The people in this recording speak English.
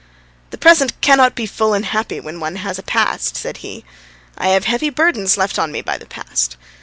"The present cannot be full and happy when one has a past," said he. "I have heavy burdens left on me by the past.